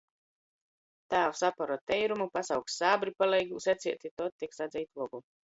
Tāvs apora teiruma, pasauks sābri paleigūs ecēt, i tod tik sadzeit vogu.